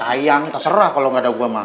sayang terserah kalo nggak ada gue ma